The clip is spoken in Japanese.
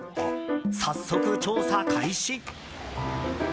早速、調査開始！